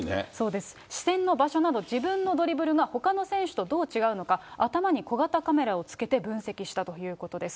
視線の場所など、自分のドリブルがほかの選手とどう違うのか、頭に小型カメラをつけて分析したということです。